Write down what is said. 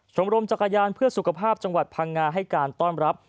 รมจักรยานเพื่อสุขภาพจังหวัดพังงาให้การต้อนรับ